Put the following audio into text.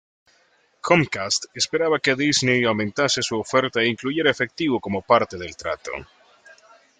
Comcast esperaba que Disney aumentase su oferta e incluyera efectivo como parte del trato.